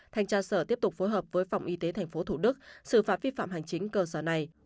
thanh tra sở tiếp tục phối hợp với phòng y tế tp thủ đức xử phạt vi phạm hành chính cơ sở này